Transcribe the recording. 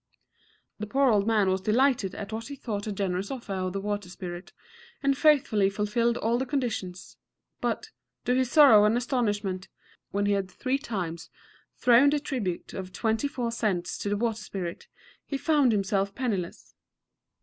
The poor old man was delighted at what he thought a generous offer of the water spirit, and faithfully fulfilled all the conditions; but, to his sorrow and astonishment, when he had three times thrown the tribute of twenty four cents to the water spirit, he found himself penniless.